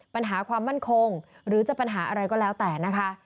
ปัญหาความมั่นคงหรือจะปัญหาอะไรก็แล้วแต่นะคะ